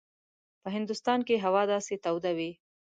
په هندوستان کې هوا داسې توده وي.